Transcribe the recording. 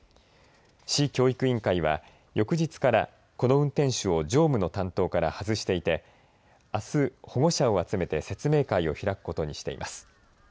市教育委員会は翌日からこの運転手を乗務の担当から外していてあす保護者を集めて説明会を開くことにしています。